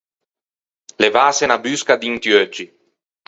Levâse unna busca d’inti euggi.